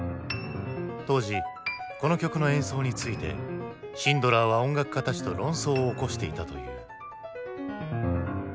当時この曲の演奏についてシンドラーは音楽家たちと論争を起こしていたという。